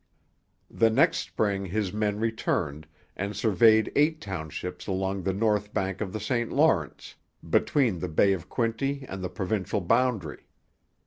The next spring his men returned, and surveyed eight townships along the north bank of the St Lawrence, between the Bay of Quinte and the provincial boundary.